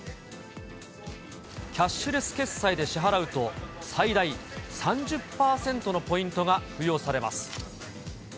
キャッシュレス決済で支払うと、最大３０％のポイントが付与されます。